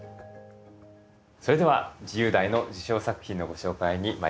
それでは自由題の受賞作品のご紹介にまいりましょう。